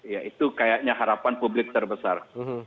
ya itu kayaknya harapan publik terbesar